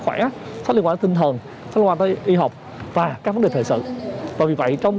khỏe sách liên quan đến tinh thần sách liên quan tới y học và các vấn đề thời sự vì vậy trong